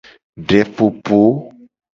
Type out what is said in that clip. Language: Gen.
Depopo.